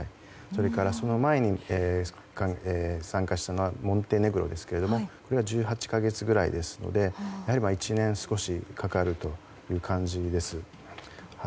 それからその前に参加したモンテネグロですけども１８か月ぐらいですので１年少しかかるという感じです。